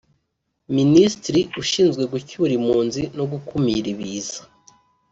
Minisitiri Ushinzwe gucyura Impunzi no gukumira ibiza